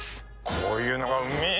こういうのがうめぇ